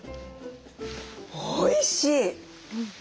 おいしい！